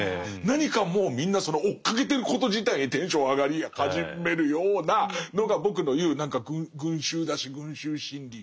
何かもうみんなその追っかけてること自体にテンション上がり始めるようなのが僕の言う何か群衆だし群衆心理。